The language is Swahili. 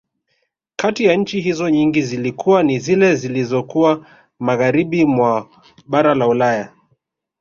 Kati ya nchi hizo nyingi zilikuwa ni zile zizokuwa Magharibi mwa bara la Ulaya